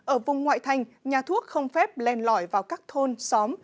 ở vùng ngoại thành nhà thuốc không phép len lỏi vào các thôn xóm